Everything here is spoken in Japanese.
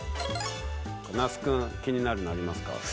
那須君気になるのありますか？